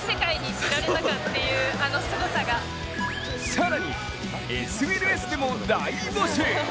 更にＳＮＳでも大募集。